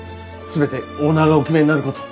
全てオーナーがお決めになること。